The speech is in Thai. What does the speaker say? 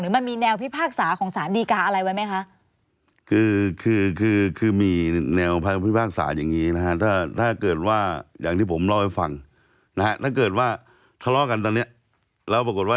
มันมีแนวพิพากษาของสารดีกาอะไรไว้ไหมคะ